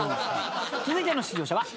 続いての出場者はこちら。